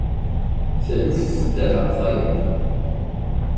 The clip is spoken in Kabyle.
Taluft tettabaε tayeḍ.